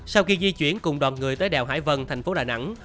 sau khi di chuyển cùng đoàn người tới đèo hải vân thành phố đà nẵng